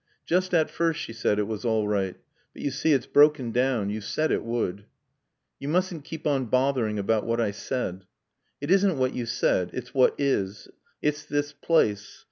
"Just at first," she said, "it was all right. But you see it's broken down. You said it would." "You mustn't keep on bothering about what I said." "It isn't what you said. It's what is. It's this place.